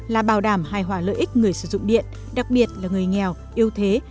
là bảo đảm hài hòa lợi ích người sử dụng điện đặc biệt là người nghèo yêu thế